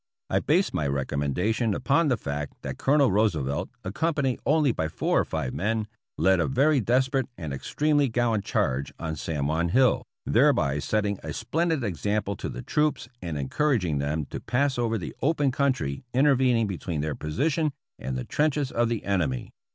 I based my recommendation upon the fact that Colonel Roosevelt, accompanied only by four or five men, led a very desperate and extremely gallant charge on San Juan Hill, thereby set ting a splendid example to the troops and encouraging them to pass over the open country intervening between their position and the trenches of the enemy.